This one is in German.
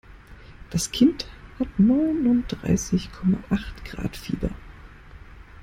Das Kind hat neununddreißig Komma acht Grad Fieber.